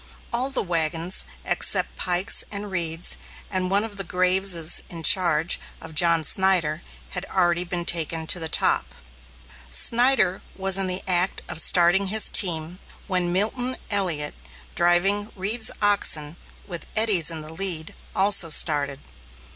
All the wagons, except Pike's and Reed's, and one of Graves's in charge of John Snyder, had already been taken to the top. Snyder was in the act of starting his team, when Milton Elliot, driving Reed's oxen, with Eddy's in the lead, also started.